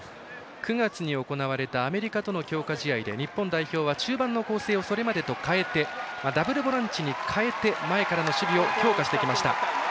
９月に行われたアメリカとの強化試合で日本代表は、中盤をそれまでと変えてダブルボランチに変えて前からの守備を強化してきました。